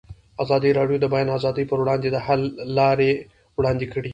ازادي راډیو د د بیان آزادي پر وړاندې د حل لارې وړاندې کړي.